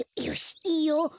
よよしいいよ。